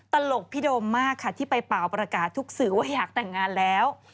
ตลกพี่โดมมากค่ะที่ไปเป่าประกาศทุกสื่อว่าอยากแต่งงานแล้ว